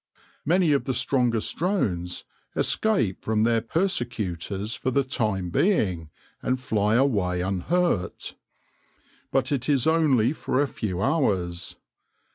Many of the strongest drones escape from their persecutors for the time being, and fly away unhurt. But it is only for a few hours.